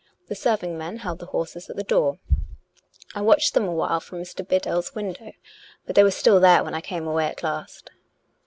The serving men held the horses at the door. I watched them awhile from Mr. Biddell's window; but they were still there when I came away at last."